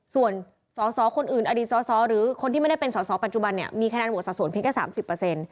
ส่วนสอสอคนอื่นอดีตสอสอหรือคนที่ไม่ได้เป็นสอสอปัจจุบันเนี่ยมีคะแนนโหวตสัดส่วนเพียงแค่๓๐